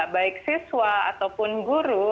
baik siswa ataupun guru